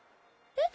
えっ？